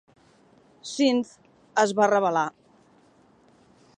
Sindh es va rebel·lar.